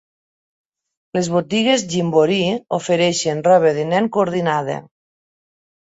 Les botigues Gymboree ofereixen roba de nen coordinada.